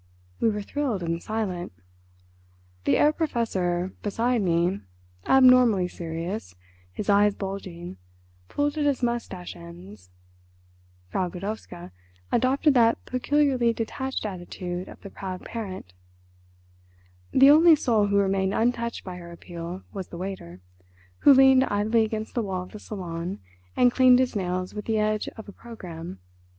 We were thrilled and silent. The Herr Professor, beside me, abnormally serious, his eyes bulging, pulled at his moustache ends. Frau Godowska adopted that peculiarly detached attitude of the proud parent. The only soul who remained untouched by her appeal was the waiter, who leaned idly against the wall of the salon and cleaned his nails with the edge of a programme.